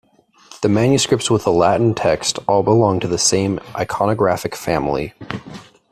The manuscripts with a Latin text all belong to the same iconographic family.